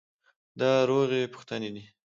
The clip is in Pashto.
دا روغې پوښتنې دي.